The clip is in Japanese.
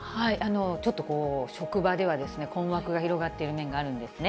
ちょっとこう、職場では困惑が広がっている面があるんですね。